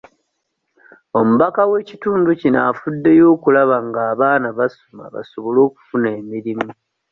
Omubaka w'ekitundu kino afuddeyo okulaba nga abaana basoma basobole okufuna emirimu.